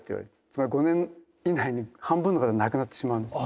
つまり５年以内に半分の方が亡くなってしまうんです。